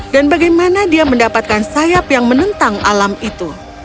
dan bagaimana dia mendapatkan sayap yang menentang alam itu